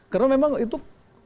karena memang itu